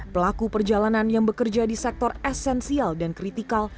pelaku perjalanan yang bekerja di sektor esensial dan kritikal